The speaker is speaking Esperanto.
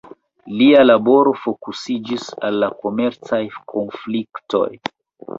Lia laboro fokusiĝis al la komercaj konfliktoj.